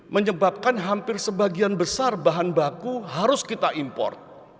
menyebabkan hampir sebagian besar bahan baku harus kita import